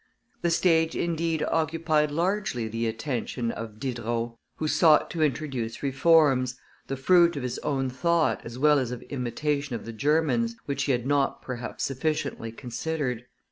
The stage, indeed, occupied largely the attention of Diderot, who sought to introduce reforms, the fruit of his own thought as well as of imitation of the Germans, which he had not perhaps sufficiently considered.